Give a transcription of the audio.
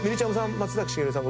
松崎しげるさん